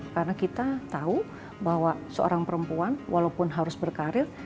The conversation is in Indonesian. karena kita tahu bahwa seorang perempuan walaupun harus berkarir